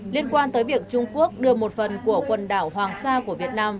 liên quan tới việc trung quốc đưa một phần của quần đảo hoàng sa của việt nam